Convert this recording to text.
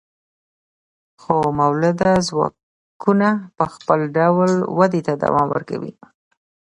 خو مؤلده ځواکونه په خپل ډول ودې ته دوام ورکوي.